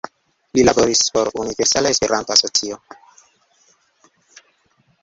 Li laboris por Universala Esperanto Asocio.